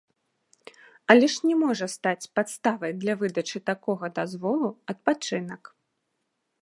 Але ж не можа стаць падставай для выдачы такога дазволу адпачынак.